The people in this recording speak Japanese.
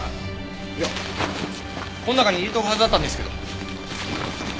いやこん中に入れとくはずだったんですけど。